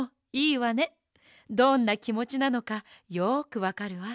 どんなきもちなのかよくわかるわ。